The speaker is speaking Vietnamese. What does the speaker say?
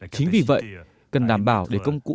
chính vì vậy cần đảm bảo để công cụ